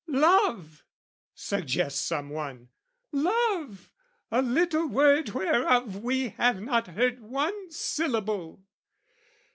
"Love" suggests some one, "love, a little word "Whereof we have not heard one syllable."